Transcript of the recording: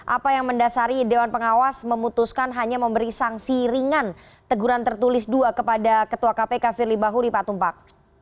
apa yang mendasari dewan pengawas memutuskan hanya memberi sanksi ringan teguran tertulis dua kepada ketua kpk firly bahuri pak tumpak